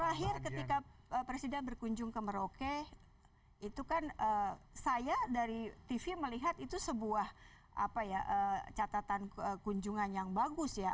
terakhir ketika presiden berkunjung ke merauke itu kan saya dari tv melihat itu sebuah catatan kunjungan yang bagus ya